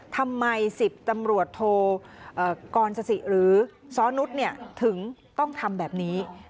ทำไม๑๐ตำรวจโทกรสสิหรือซ้อนุษย์ถึงต้องทำแบบนี้